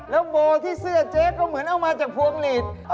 แล้วโบที่เสื้อเจ๊ก็เหมือนเอามาจากพวงหลีด